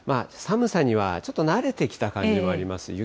寒さにはちょっと慣れてきた感じもあります。